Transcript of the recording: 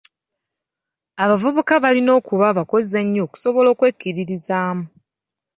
Abavubuka balina okuba abakozi ennyo okusobola okwekkiririzaamu.